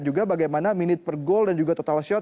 juga bagaimana menit per gol dan juga total shot